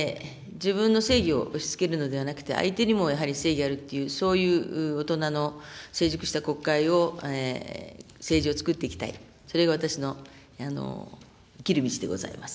自分の正義を押し付けるのではなくて、相手にもやはり正義があるという、そういう大人の成熟した国会を、政治を作っていきたい、それが私の生きる道でございます。